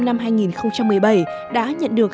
năm hai nghìn một mươi bảy đã nhận được